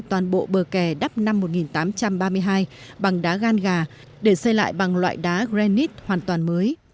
toàn bộ bờ kè đắp năm một nghìn tám trăm ba mươi hai bằng đá gan gà để xây lại bằng loại đá granite hoàn toàn mới